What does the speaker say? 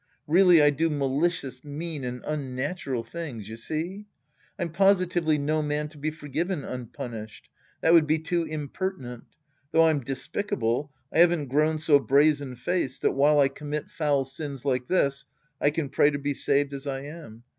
Really I do malicious, mean and unnatural tilings, you see. I'm positively no man to be forgiven unpunished. That would be too impertinent. Though I'm despicable, I haven't grown so brazen faced that while I commit foul sins like this I can pray to be saved as I am.